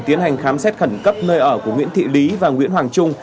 tiến hành khám xét khẩn cấp nơi ở của nguyễn thị lý và nguyễn hoàng trung